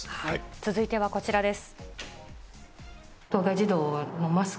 続いてはこちらです。